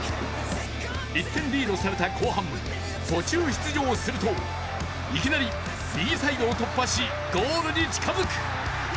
１点リードされた後半、途中出場すると、いきなり右サイドを突破し、ゴールに近づく。